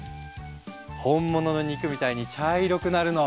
本物の肉みたいに茶色くなるの。